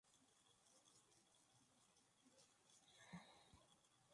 La gira continuó por Francia, Suiza, Reino Unido.